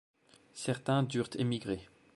Certains durent émigrer.